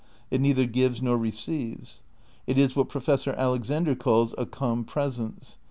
It neither gives nor receives. It is what Professor Alexander calls a '* compresence.